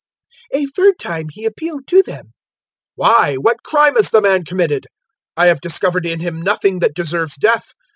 023:022 A third time he appealed to them: "Why, what crime has the man committed? I have discovered in him nothing that deserves death.